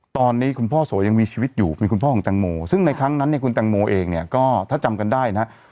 ตอนนี้คุณพ่อโสยังมีชีวิตอยู่เป็นคุณพ่อของแตงโมซึ่งในครั้งนั้นเนี่ยคุณแตงโมเองเนี่ยก็ถ้าจำกันได้นะครับ